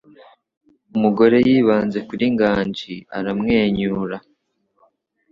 Umugore yibanze kuri Nganji aramwenyura.